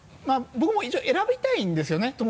僕も一応選びたいんですよね